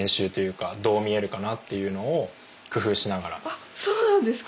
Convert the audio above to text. あっそうなんですか？